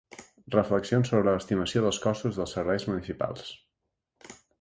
Reflexions sobre l'estimació dels costos dels serveis municipals.